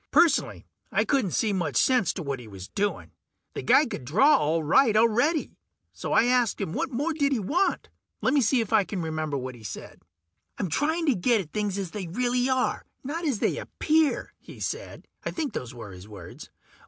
Personally, I couldn't see much sense to what he was doing. The guy could draw all right already, so I asked him what more did he want? Lemme see if I can remember what he said. "I'm trying to get at things as they really are, not as they appear," he said. I think those were his words.